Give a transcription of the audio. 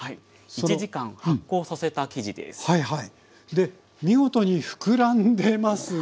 で見事にふくらんでますね。